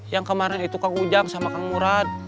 yang kemarin itu kang ujang sama kang murad